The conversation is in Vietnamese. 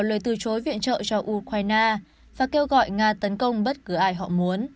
lời từ chối viện trợ cho ukraine và kêu gọi nga tấn công bất cứ ai họ muốn